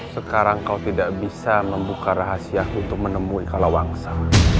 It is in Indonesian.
sekarang kau tidak bisa membuka rahasia untuk menemui kalawangsa